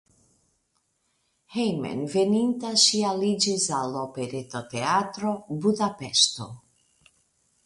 Hejmenveninta ŝi aliĝis al Operetoteatro (Budapeŝto).